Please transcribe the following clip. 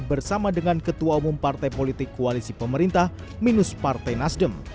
bersama dengan ketua umum partai politik koalisi pemerintah minus partai nasdem